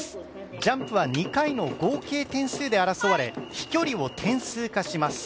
ジャンプは２回の合計点数で争われ飛距離を点数化します。